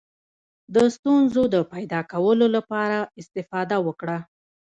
د ستونزو د پیدا کولو لپاره استفاده وکړه.